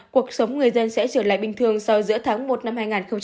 cuộc sống người dân sẽ trở lại bình thường sau giữa tháng một năm hai nghìn hai mươi